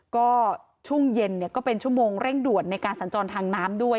ก็ช่วงเย็นก็เป็นชั่วโมงเร่งด่วนในการสัญจรทางน้ำด้วย